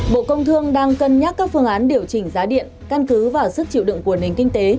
bộ công thương đang cân nhắc các phương án điều chỉnh giá điện căn cứ vào sức chịu đựng của nền kinh tế